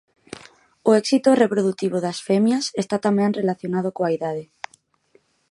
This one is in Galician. O éxito reprodutivo das femias está tamén relacionado coa idade.